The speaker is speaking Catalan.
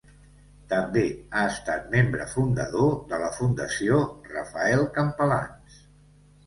També ha estat membre fundador de la Fundació Rafael Campalans.